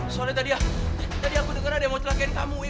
soalnya tadi aku denger ada yang mau celakain kamu wi